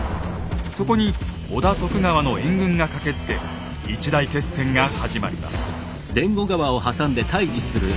そこに織田・徳川の援軍が駆けつけ一大決戦が始まります。